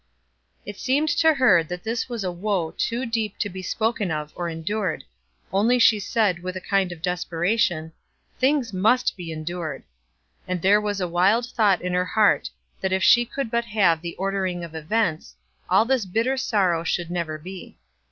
It seemed to her that this was a woe too deep to be spoken of or endured, only she said with a kind of desperation, "Things must be endured;" and there was a wild thought in her heart, that if she could but have the ordering of events, all this bitter sorrow should never be.